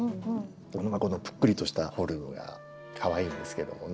このぷっくりとしたフォルムがかわいいんですけどもね。